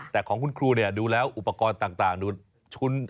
แต่ของคุณครูเนี่ยดูแล้วอุปกรณ์ต่างดู